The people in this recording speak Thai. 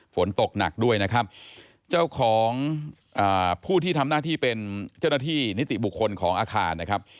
ฝนตกหนักด้วยนะครับเจ้าของผู้ที่ทำหน้าที่เป็นเจ้าหน้าที่นิติบุคคลของอาคารนะครับ